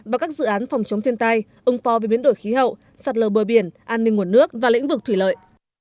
và các dự án phòng chống thiên tai ung pho về biến đổi khí hậu sạt lờ bờ biển an ninh nguồn nước và lĩnh vực thủy lợi